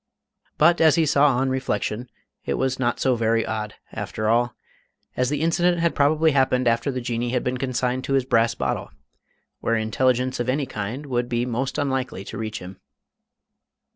But, as he saw on reflection, it was not so very odd, after all, as the incident had probably happened after the Jinnee had been consigned to his brass bottle, where intelligence of any kind would be most unlikely to reach him.